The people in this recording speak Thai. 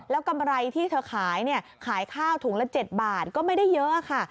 แล้วกำไรที่เธอขายเนี่ยขายขายข้าวถุงละ๗บาทก็ไม่ได้เยอะค่ะ